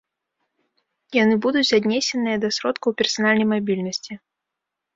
Яны будуць аднесеныя да сродкаў персанальнай мабільнасці.